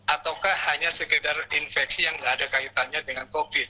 ataukah hanya sekedar infeksi yang tidak ada kaitannya dengan covid